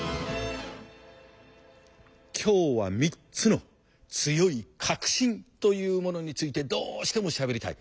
今日は３つの強い「確信」というものについてどうしてもしゃべりたい！